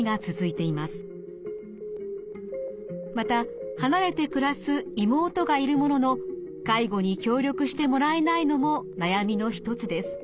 また離れて暮らす妹がいるものの介護に協力してもらえないのも悩みの一つです。